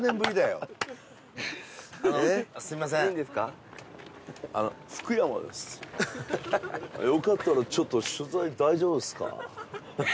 よかったらちょっと取材大丈夫ですか？